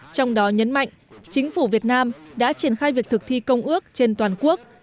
trong đó nhấn mạnh chính phủ việt nam đã triển khai việc thực thi công ước trên toàn quốc